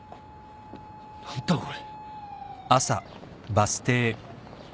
何だこれ。